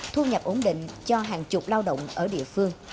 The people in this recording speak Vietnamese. thu nhập ổn định cho hàng chục lao động ở địa phương